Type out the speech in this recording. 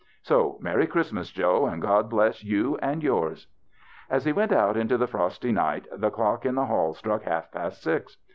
So, merry Christ mas, Joe, and God bless you and yours." As he went out into the frosty night the clock in the hall struck half past six.